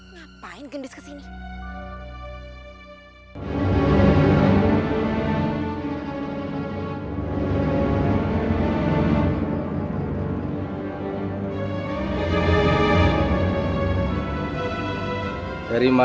ngapain gendis kesini